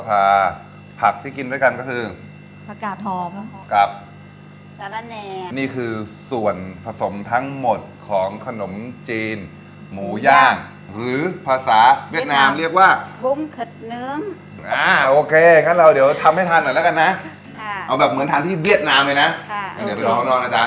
ผักที่กินด้วยกันก็คือผักกาทองกับสาระแนนนี่คือส่วนผสมทั้งหมดของขนมจีนหมูย่างหรือภาษาเวียดนามเรียกว่ากุ้งเข็ดน้ำอ่าโอเคงั้นเราเดี๋ยวทำให้ทานหน่อยแล้วกันนะค่ะเอาแบบเหมือนทานที่เวียดนามเลยนะค่ะเดี๋ยวของเรานะจ๊